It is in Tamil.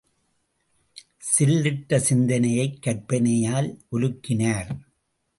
சில்லிட்ட சிந்தனையைக் கற்பனையால் உலுக்கினார்.